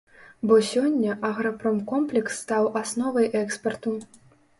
Бо сёння аграпромкомплекс стаў асновай экспарту.